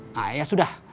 nah ya sudah